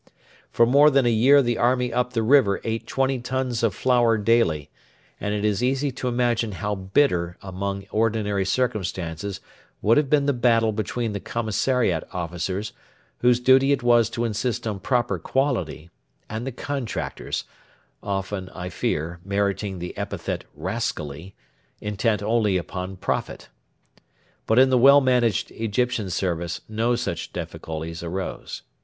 For more than a year the army up the river ate 20 tons of flour daily, and it is easy to imagine how bitter amid ordinary circumstances would have been the battle between the commissariat officers, whose duty it was to insist on proper quality, and the contractors often, I fear, meriting the epithet 'rascally' intent only upon profit. But in the well managed Egyptian Service no such difficulties arose.